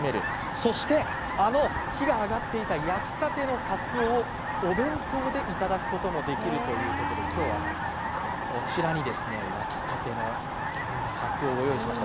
そして、あの火が上がっていた焼きたてのかつおをお弁当でいただくこともできるということで今日はこちらに焼きたてのかつおをご用意しました。